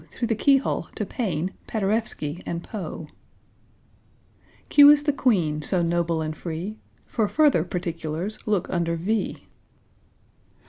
Through the keyhole to =P=aine, =P=aderewski, and =P=oe. =Q= is the =Q=ueen, so noble and free _For further particulars look under V.